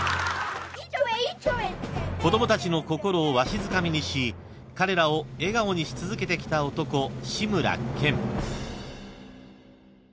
［子供たちの心をわしづかみにし彼らを笑顔にし続けてきた男志村けん］